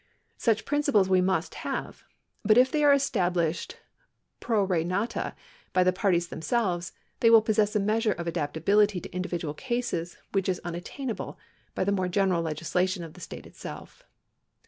Such principles we must have ; but if they are estab lished pro re nata by the parties themselves, they will possess a measure of adaptability to individual cases which is unat tainable by the more general legislation of the state itself.